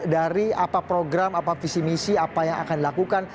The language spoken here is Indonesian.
dari apa program apa visi misi apa yang akan dilakukan